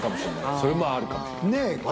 それあるかもしれないですよ。